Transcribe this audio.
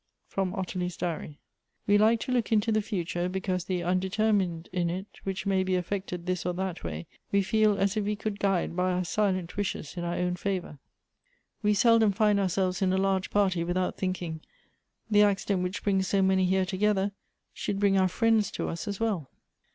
FROM ottilie's DIAEY. " We like to look into the iuture, because the undeter mined in it, which may be affected this or that way,' we feel as if we could guide by our silent wishes in our own favor." " "We seldom find ourselves in a large party without thinking; the accident which brings so many here to gether, should bring our friends to us as well."